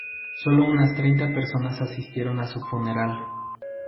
Solo unas treinta personas asistieron a su funeral.